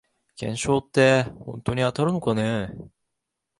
懸賞ってほんとに当たるのかね